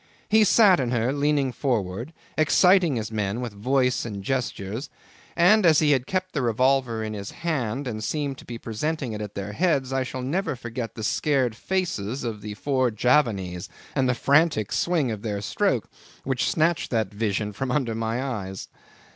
He sat in her leaning forward, exciting his men with voice and gestures; and as he had kept the revolver in his hand and seemed to be presenting it at their heads, I shall never forget the scared faces of the four Javanese, and the frantic swing of their stroke which snatched that vision from under my eyes.